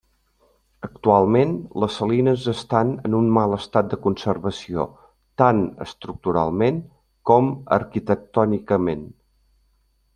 Actualment les salines estan en un mal estat de conservació tant estructuralment com arquitectònicament.